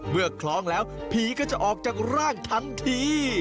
คล้องแล้วผีก็จะออกจากร่างทันที